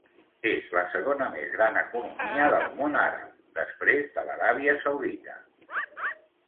És la segona més gran economia del món àrab, després de l'Aràbia Saudita.